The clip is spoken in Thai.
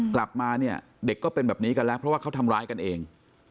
กลับมาเนี่ยเด็กก็เป็นแบบนี้กันแล้วเพราะว่าเขาทำร้ายกันเอง